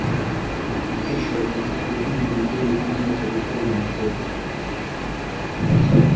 Mapinduzi ya Januari kumi na mbili kuunda Serikali ya mseto